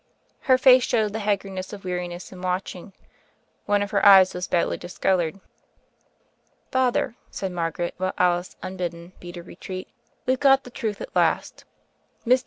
Her face showed the haggardness of weariness and watching; one of her eyes was badly discolored. "Father," said Margaret, while Alice, unbid den, beat a retreat, "we've got the truth at last. Mr.